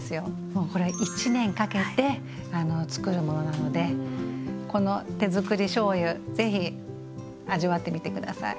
もうこれは１年かけてつくるものなのでこの手づくりしょうゆぜひ味わってみて下さい。